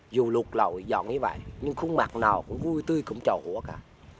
dù lụt lậu giọng như vậy nhưng khu mạc nào cũng vui tươi cũng trò hũa cả